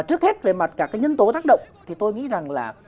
trước hết về mặt cả cái nhân tố tác động thì tôi nghĩ rằng là